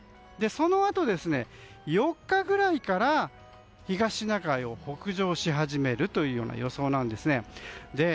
そのあと４日ぐらいから東シナ海を北上し始めるという予想なんですね。